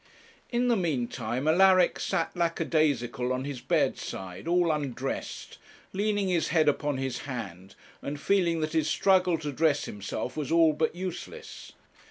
In the meantime Alaric sat lackadaisical on his bedside, all undressed, leaning his head upon his hand, and feeling that his struggle to dress himself was all but useless.